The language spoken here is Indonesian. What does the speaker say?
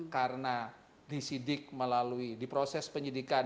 karena disidik melalui diproses penyidikan